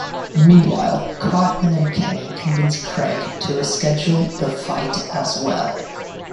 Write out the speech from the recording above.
Meanwhile, Cartman and Kenny convince Craig to reschedule the fight as well.